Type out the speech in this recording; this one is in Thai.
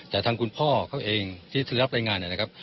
แต่ทางคุณพ่อเขาเองที่ได้รับรายงานเนี่ยนะครับ